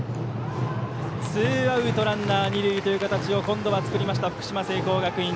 ツーアウトランナー二塁という形を作りました、聖光学院。